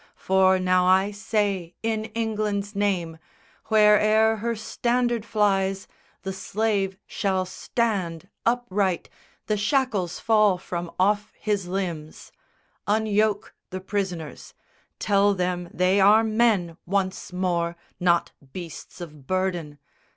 For now I say in England's name, Where'er her standard flies, the slave shall stand Upright, the shackles fall from off his limbs. Unyoke the prisoners: tell them they are men Once more, not beasts of burden.